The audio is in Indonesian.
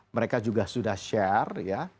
mereka juga sudah share ya